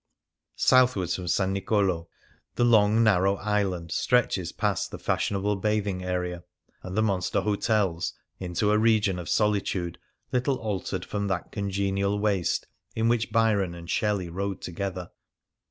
Southwards from S. Nicolo, the long, narrow island stretches past the fashionable bathing area and the monster hotels into a region of solitude little altered from that congenial waste in which Byron and Shelley rode together.